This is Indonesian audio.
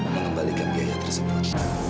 mengembalikan biaya tersebut